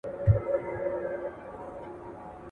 د ښو څه ښه زېږي، د بدو څه واښه.